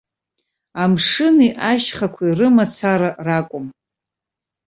Амшыни ашьхақәеи рымацара ракәым.